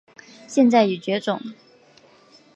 现在已绝种。